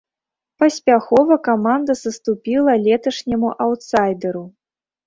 Паспяховая каманда саступіла леташняму аўтсайдэру.